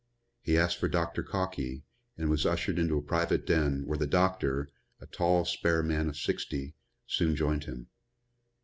He asked for Doctor Calkey and was ushered into a private den, where the doctor, a tall, spare man of sixty, soon joined him.